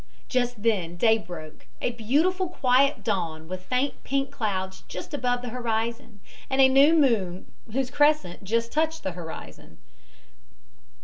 Just then day broke, a beautiful quiet dawn with faint pink clouds just above the horizon, and a new moon whose crescent just touched the horizon.